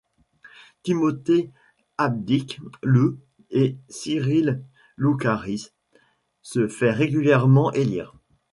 Timothée abdique le et Cyrille Loukaris se fait régulièrement élire.